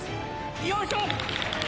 よいしょ！